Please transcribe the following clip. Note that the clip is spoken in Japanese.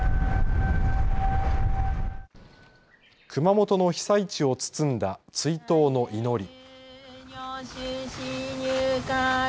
熊本の被災地を包んだ追悼の祈り。